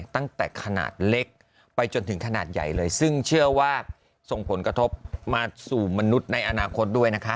ตั้งแต่ขนาดเล็กไปจนถึงขนาดใหญ่เลยซึ่งเชื่อว่าส่งผลกระทบมาสู่มนุษย์ในอนาคตด้วยนะคะ